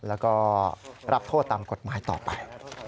แล้วก็รับโทษตามกฎหมายต่อไป